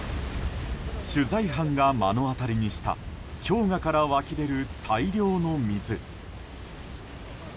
取材班が目の当たりにした氷河から湧き出る大量の水。